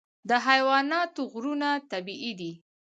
د حیواناتو غږونه طبیعي دي.